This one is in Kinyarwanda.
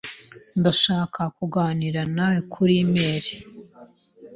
Ndashaka kuganira nawe kuri e-mail.